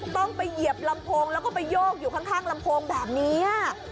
ต้องไปเหยียบลำโพงแล้วก็ไปโยกอยู่ข้างลำโพงแบบนี้